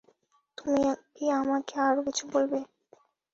তুমি কি আমাকে আরো কিছু বলবে?